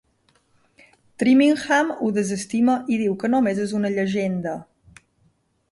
Trimingham ho desestima i diu que només és una llegenda.